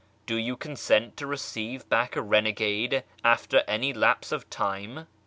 Do you consent to receive back a renegade after any lapse of time ?